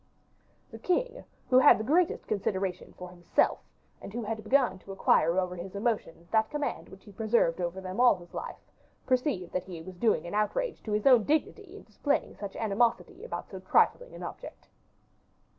The king, who had the greatest consideration for himself, and who had begun to acquire over his emotions that command which he preserved over them all his life, perceived that he was doing an outrage to his own dignity in displaying so much animosity about so trifling an object.